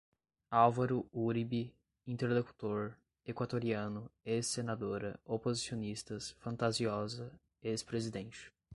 álvaro uribe, interlocutor, equatoriano, ex-senadora, oposicionistas, fantasiosa, ex-presidente